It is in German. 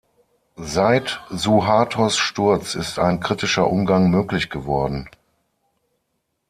Seit Suhartos Sturz ist ein kritischer Umgang möglich geworden.